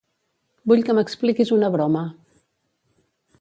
Vull que m'expliquis una broma.